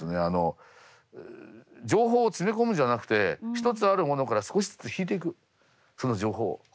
あの情報を詰め込むじゃなくて１つあるものから少しずつ引いていくその情報を。